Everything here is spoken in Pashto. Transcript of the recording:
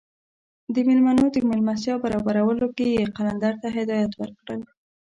د میلمنو د میلمستیا برابرولو کې یې قلندر ته هدایات ورکړل.